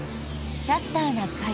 「キャスターな会」。